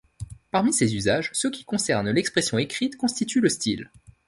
Parmi ces usages, ceux qui concernent l'expression écrite constituent le style.